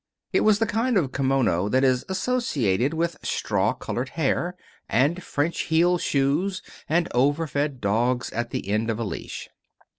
It was the kind of kimono that is associated with straw colored hair, and French heeled shoes, and over fed dogs at the end of a leash.